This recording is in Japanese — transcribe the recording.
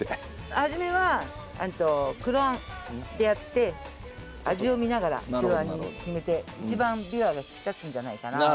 初めは黒あんでやって味を見ながら白あんに決めて一番びわが引き立つんじゃないかなと思って。